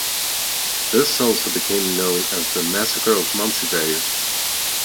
This also became known as the Massacre of Monzievaird.